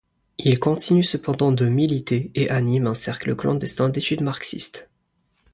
Il continue cependant de militer, et anime un cercle clandestin d'études marxiste.